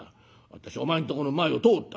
私お前んとこの前を通った。